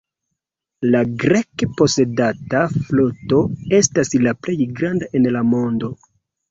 La Grek-posedata floto estas la plej granda en la mondo.